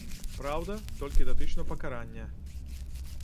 Праўда, толькі датычна пакарання.